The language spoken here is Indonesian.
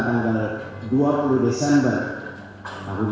pokca kawasan permukiman pergesaan